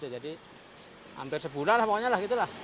jadi hampir sebulan lah pokoknya